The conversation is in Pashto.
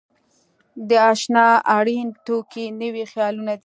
د انشأ اړین توکي نوي خیالونه دي.